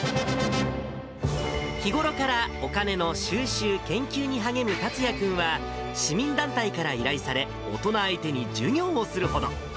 日頃からお金の収集、研究に励む達哉君は市民団体から依頼され、大人相手に授業をするほど。